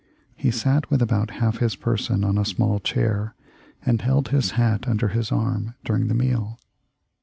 He sat with about half his person on a small chair, and held his hat under his arm during the meal.